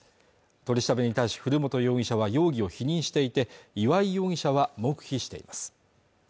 取り調べに対し古本容疑者は容疑を否認していて岩井容疑者は黙秘しています